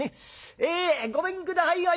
「ええごめんくださいまし。